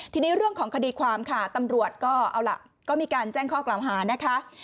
ทีนี้เรื่องของคดีความค่ะตำรวจก็เอาล่ะก็มีการแจ้งข้อกล่าวหานะคะ